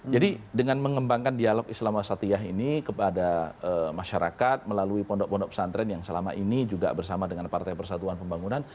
jadi dengan mengembangkan dialog islam wasatiyah ini kepada masyarakat melalui pondok pondok pesantren yang selama ini bersama dengan partai persatuan pembangunan